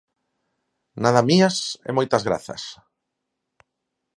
Nada mías e moitas grazas.